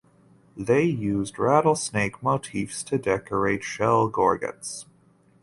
They used rattlesnake motifs to decorate shell gorgets.